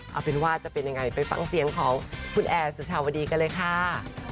เอาเป็นว่าจะเป็นยังไงไปฟังเสียงของคุณแอร์สุชาวดีกันเลยค่ะ